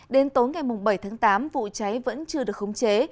đến tối ngày bảy tháng tám vụ cháy vẫn chưa được khống chế